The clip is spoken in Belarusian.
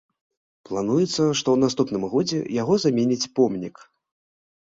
Плануецца, што ў наступным годзе яго заменіць помнік.